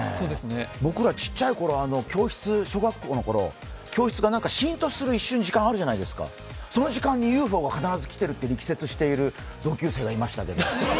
僕ら小学校のころ、教室がしんとする瞬間あるじゃないですか、その時間にＵＦＯが必ず来てると力説している同級生がいましたけど。